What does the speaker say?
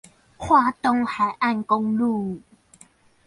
花東海岸公路